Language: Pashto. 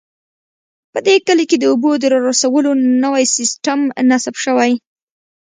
په دې کلي کې د اوبو د رارسولو نوی سیسټم نصب شوی